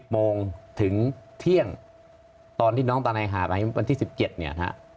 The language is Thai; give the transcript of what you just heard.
๑๐โมงถึงเที่ยงตอนที่น้องตาไนหาบวันที่๑๗